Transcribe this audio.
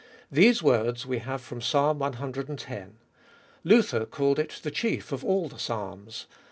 These words we have from Psalm ex. Luther called it the chief of all the Psalms.